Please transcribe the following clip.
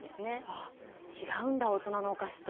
あ違うんだ大人のお菓子と。